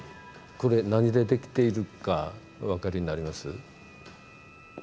これ何でできているかお分かりになります？